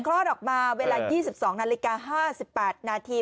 คลอดออกมาเวลา๒๒นาฬิกา๕๘นาที